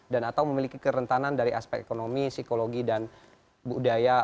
dan atau memiliki kerentanan dari aspek ekonomi psikologi dan budaya